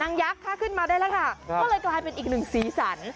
ยักษ์ค่ะขึ้นมาได้แล้วค่ะก็เลยกลายเป็นอีกหนึ่งสีสัน